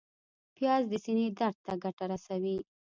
پیاز د سینې درد ته ګټه رسوي